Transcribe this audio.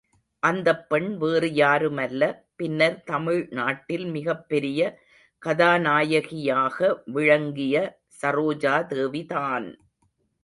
அந்தப் பெண் வேறு யாருமல்ல, பின்னர் தமிழ் நாட்டில் மிகப் பெரிய கதாநாயகியாக விளங்கிய சரோஜாதேவிதான்!